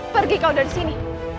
pergi kau dari sini